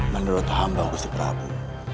menurut hamba gusti prabu